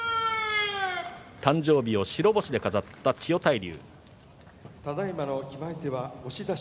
誕生日を白星で飾った千代大龍。